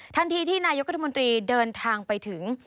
ทันทีที่นายกรัฐมนตรีเดินทางไปถึง